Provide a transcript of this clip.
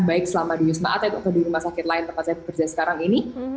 baik selama di wisma atlet atau di rumah sakit lain tempat saya bekerja sekarang ini